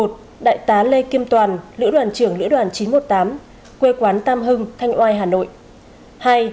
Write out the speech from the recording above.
một đại tá lê kim toàn lữ đoàn trưởng lữ đoàn chín trăm một mươi tám quê quán tam hưng thanh oai hà nội